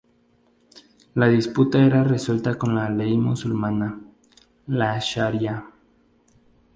La disputa era resuelta con la ley musulmana, la sharia.